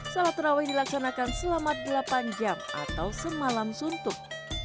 salat terawih dilaksanakan selama delapan jam atau semalam suntuk